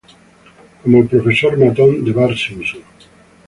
Como el profesor matón de Bart Simpson.